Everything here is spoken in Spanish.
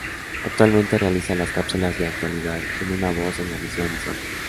Actualmente realiza las cápsulas de "Actualidad en una Voz" en la misma emisora.